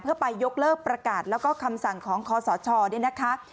เพื่อไปยกเลิกประกาศแล้วก็คำสั่งของคอสชเนี่ยนะคะ